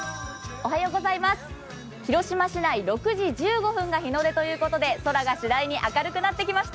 広島市内６時１５分が日の出ということで、空がしだいに明るくなってきました。